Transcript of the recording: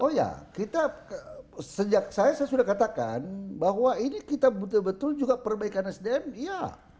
oh ya kita sejak saya saya sudah katakan bahwa ini kita betul betul juga perbaikan sdm iya